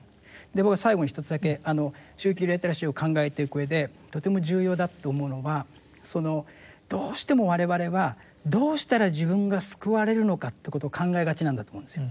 僕は最後に一つだけ宗教リテラシーを考えていくうえでとても重要だって思うのはどうしても我々はどうしたら自分が救われるのかということを考えがちなんだと思うんですよ